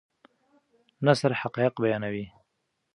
نثر حقایق بیانوي.